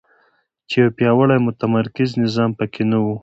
چې یو پیاوړی متمرکز نظام په کې نه وو.